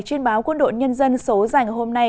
trên báo quân đội nhân dân số dành hôm nay